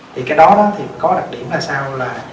thì cái đó thì có đặc điểm ra sao là